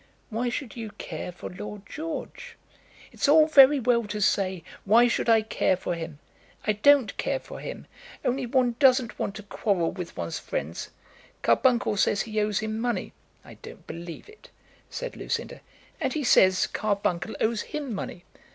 "Why should you care for Lord George?" "It's all very well to say, why should I care for him. I don't care for him, only one doesn't want to quarrel with one's friends. Carbuncle says he owes him money." "I don't believe it," said Lucinda. "And he says Carbuncle owes him money."